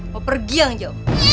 mau pergi aja